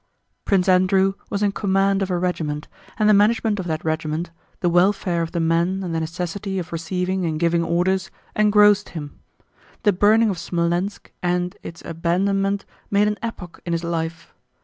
Prince Andrew was in command of a regiment, and the management of that regiment, the welfare of the men and the necessity of receiving and giving orders, engrossed him. The burning of Smolénsk and its abandonment made an epoch in his life.